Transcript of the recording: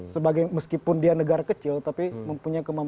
sebagai meskipun dia negara kecil tapi mempunyai kemampuan